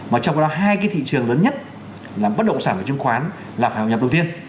mà trong khi đó hai cái thị trường lớn nhất là bất động sản và chứng khoán là phải hợp nhập đầu tiên